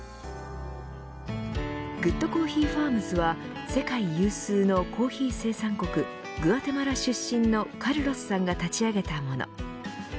グッドコーヒーファームズは世界有数のコーヒー生産国グアテマラ出身のカルロスさんが立ち上げたもの。